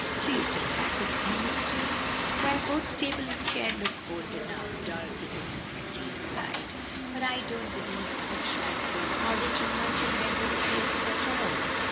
"Do you think I could honestly?" "Well, both table and chair look old enough," Dorothy considerately replied; "but I don't believe books like those are written much in regular places at all.